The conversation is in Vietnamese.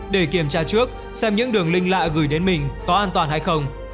để kiểm tra trước xem những đường link lạ gửi đến mình có an toàn hay không